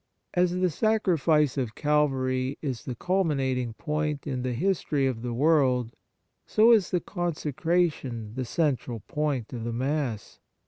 As the Sacrifice of Calvary is the culminating point in the history of the world, so is the consecration the central point of the Mass.